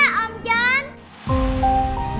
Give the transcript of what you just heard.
makasih ya om john